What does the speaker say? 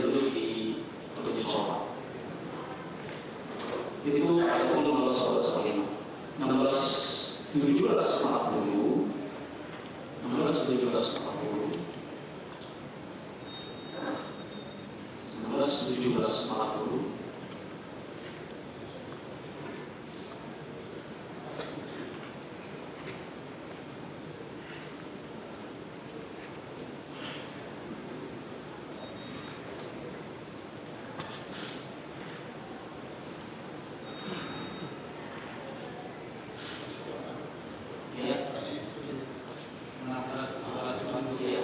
dia duduk di hujung sofa